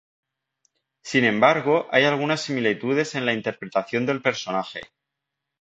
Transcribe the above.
Sin embargo, hay algunas similitudes en la interpretación del personaje.